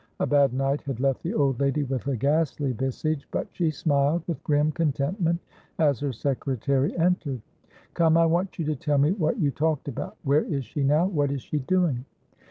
A bad night had left the old lady with a ghastly visage, but she smiled with grim contentment as her secretary entered. "Come, I want you to tell me what you talked about. Where is she now? What is she doing?"